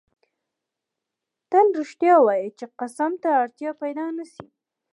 تل رښتیا وایه چی قسم ته اړتیا پیدا نه سي